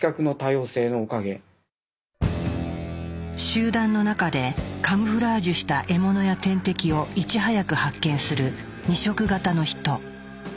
集団の中でカムフラージュした獲物や天敵をいち早く発見する２色型のヒト。